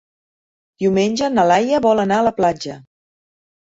Diumenge na Laia vol anar a la platja.